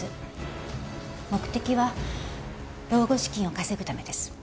目的は老後資金を稼ぐためです。